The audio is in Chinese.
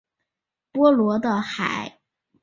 波罗的海的沿岸地区是波罗的地区。